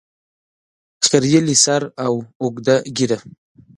خریلي سر او اوږده ږیره